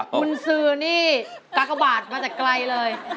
คุณซื้อนี่กากบาทมาแต่ไกลเลย